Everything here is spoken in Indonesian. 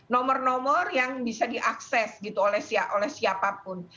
nomor nomor yang bisa diakses gitu oleh siapapun